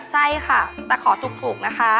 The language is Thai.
ใช่ค่ะแต่ขอถูกนะคะ